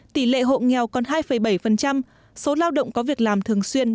tỷ lệ hộ nghèo còn hai bảy số lao động có việc làm thường xuyên